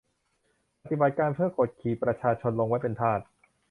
ปฏิบัติการเพื่อกดขี่ประชาชนลงไว้เป็นทาส